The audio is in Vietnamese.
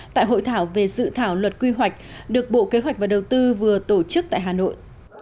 tại hội thảo về dự thảo luật quy hoạch được bộ kế hoạch và đầu tư vừa tổ chức tại hà nội